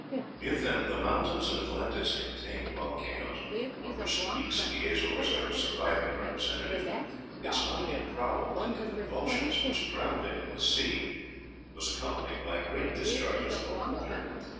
If, then, the mountains of Atlantis contained volcanoes, of which the peaks of the Azores are the surviving representatives, it is not improbable that the convulsion which drowned it in the sea was accompanied by great discharges of water.